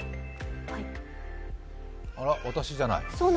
あら、私じゃない。